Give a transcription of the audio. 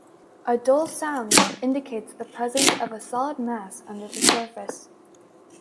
A dull sound indicates the presence of a solid mass under the surface.